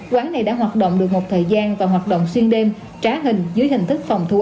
quán này đã hoạt động được một thời gian và hoạt động xuyên đêm trá hình dưới hình thức phòng thú